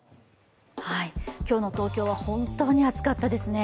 今日の東京は本当に暑かったですね。